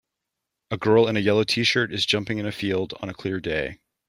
A girl in a yellow Tshirt is jumping in a field on a clear day.